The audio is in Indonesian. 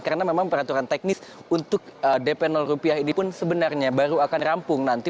karena memang peraturan teknis untuk dp rupiah ini pun sebenarnya baru akan rampung nanti